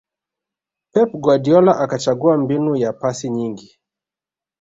pep guardiola akachagua mbinu ya pasi nyingi